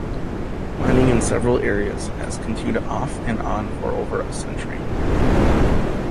Mining in several areas has continued off and on for over a century.